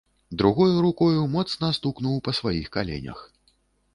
Другою рукою моцна стукнуў па сваіх каленях.